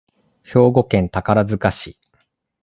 兵庫県宝塚市